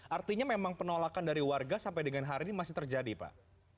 artinya memang penolakan dari warga sampai dengan hari ini masih terjadi pak